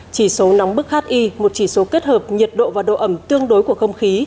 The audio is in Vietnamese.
chỉ số nóng bức hi một chỉ số kết hợp nhiệt độ và độ ẩm tương đối của không khí